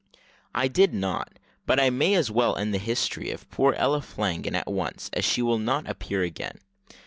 I did not; but I may as well end the history of poor Ella Flanagan at once, as she will not appear again.